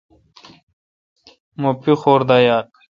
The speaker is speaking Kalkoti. مہ پیخور دا یال۔